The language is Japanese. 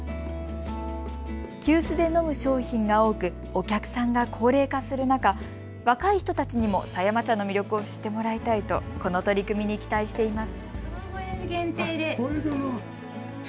急須で飲む商品が多く、お客さんが高齢化する中、若い人たちにも狭山茶の魅力を知ってもらいたいとこの取り組みに期待しています。